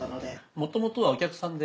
もともとはお客さんで？